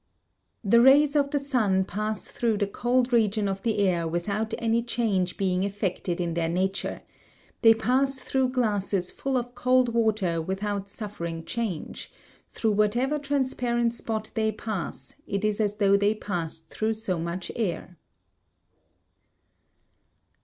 The rays of the sun pass through the cold region of the air without any change being effected in their nature, they pass through glasses full of cold water without suffering change; through whatever transparent spot they pass, it is as though they passed through so much air.